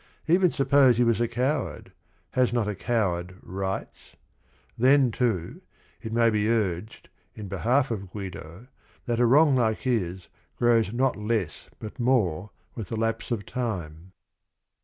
Even suppose he was a coward, has not a coward rights ? Then, too, it may be urged in behalf of Guido, that a wrong like his grows not less but more with the lapse of time.